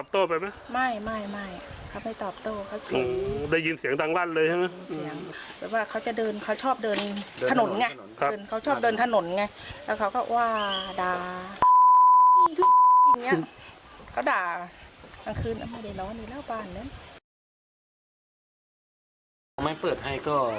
ถ้าไม่เปิดให้เนี่ยใช่ปั๊วเฟิร์ทกลับต้วย